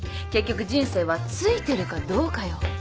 結局人生はついてるかどうかよ。